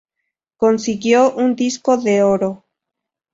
Consiguió un Disco de Oro.